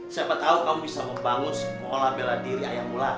siapa tahu kamu bisa membangun sekolah bela diri ayam mula